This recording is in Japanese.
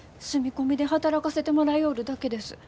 住み込みで働かせてもらようるだけです。